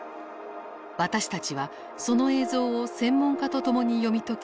私たちはその映像を専門家と共に読み解き